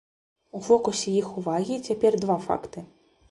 У фокусе іх увагі цяпер два факты.